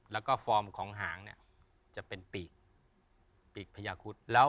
แล้วก็ฟอร์มของหางเนี่ยจะเป็นปีก